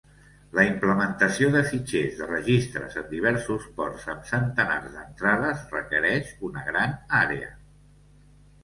La implementació de fitxers de registres en diversos ports amb centenars d'entrades requereix una gran àrea.